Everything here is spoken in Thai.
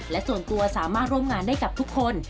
และส่วนตัวสามารถร่วมงานได้กับทุกคน